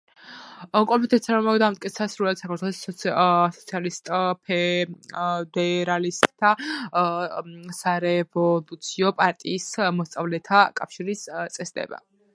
კონფედერაციამ დაამტკიცა სრულიად საქართველოს სოციალისტ-ფედერალისტთა სარევოლუციო პარტიის მოსწავლეთა კავშირის წესდება.